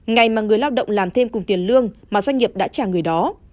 ngày mà người lao động làm thêm cùng tiền lương mà doanh nghiệp đã trả người đó